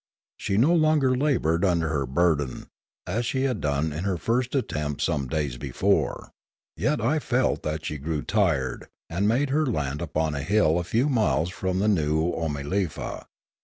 She no longer laboured under her burden, as she had done in her first attempt some days before; yet I felt that she grew tired, and made her land upon a hill a few miles from the new Oomalefa.